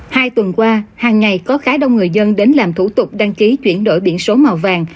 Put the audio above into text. hai tuần qua hàng ngày có khá đông người dân đến làm thủ tục đăng ký chuyển đổi biển số màu vàng